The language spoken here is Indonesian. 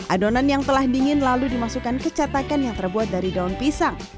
adonan yang telah dingin lalu dimasukkan ke catakan yang terbuat dari daun pisang